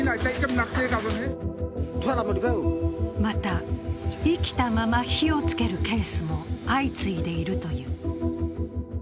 また、生きたまま火をつけるケースも相次いでいるという。